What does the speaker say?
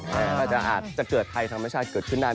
อาจจะอาจจะเกิดภัยธรรมชาติเกิดขึ้นได้